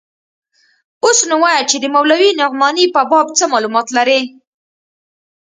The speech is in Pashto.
اوس نو وايه چې د مولوي نعماني په باب څه مالومات لرې.